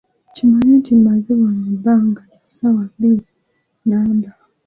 Kimanye nti mmaze wano ebbanga lya ssaawa bbiri nnamba.